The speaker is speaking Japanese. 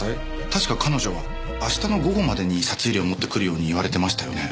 確か彼女は明日の午後までに札入れを持ってくるように言われてましたよね？